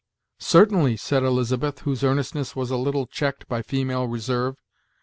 "Certainly," said Elizabeth, whose earnestness was a little checked by female reserve.